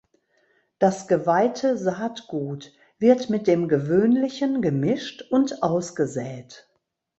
Das geweihte Saatgut wird mit dem gewöhnlichen gemischt und ausgesät.